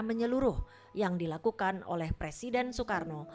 menyeluruh yang dilakukan oleh presiden soekarno